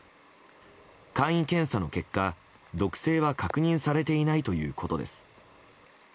簡易検査の結果、毒性は確認されていないということです。